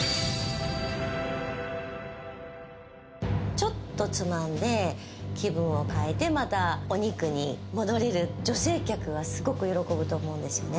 ちょっとつまんで気分を変えてまたお肉に戻れる女性客はスゴく喜ぶと思うんですよね